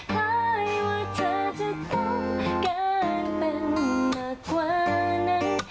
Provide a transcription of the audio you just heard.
คล้ายว่าเธอจะต้องการเป็นมากกว่านั้น